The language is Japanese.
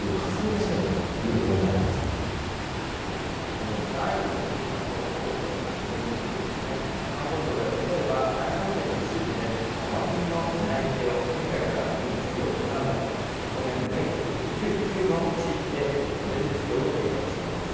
この第２のふるさと構想の実現に向けて、観光庁では例えば、埼玉県の秩父で、お祭りの担い手を県外から集める事業を行うなど、今年度、全国１９の地域でモデル事業を計画しています。